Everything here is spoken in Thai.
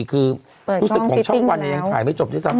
คือรู้สึกของช่องวันยังถ่ายไม่จบด้วยซ้ำ